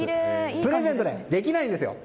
プレゼントできないんです。